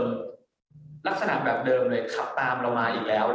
ก็รักษณะเดิมเลยขับตามออกมาอีกแล้ว